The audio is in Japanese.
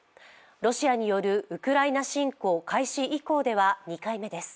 ロシアによるウクライナ侵攻開始以降では２回目です。